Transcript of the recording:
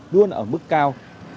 luôn ở mức cao